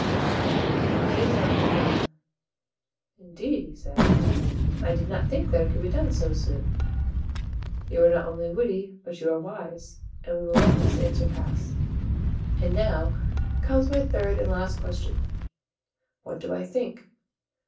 The king laughed again. "Indeed," he said, "I did not think that it could be done so soon. You are not only witty, but you are wise, and we will let this answer pass. And now comes my third and last question: What do I think?"